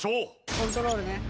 コントロールね。